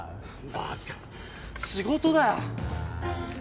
バカ仕事だよああ